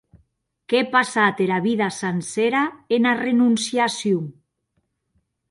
Qu’è passat era vida sancera ena renonciacion!